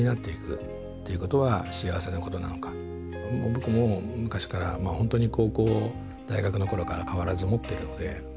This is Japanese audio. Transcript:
僕も昔からホントに高校大学のころから変わらず思ってるので。